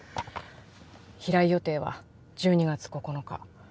飛来予定は１２月９日